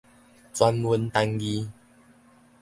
專門單字